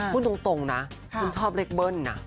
คุณตรงนะคุณชอบเลขเบิร์นนะ